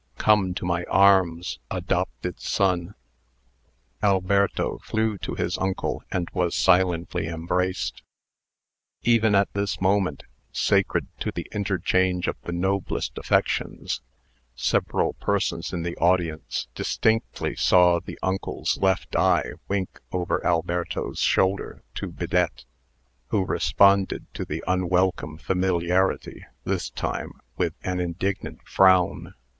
Come to my arms, adopted son!" Alberto flew to his uncle, and was silently embraced. Even at this moment, sacred to the interchange of the noblest affections, several persons in the audience distinctly saw the uncle's left eye wink over Alberto's shoulder to Bidette, who responded to the unwelcome familiarity, this time, with an indignant frown.